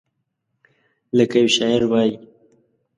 لکه یو شاعر وایي: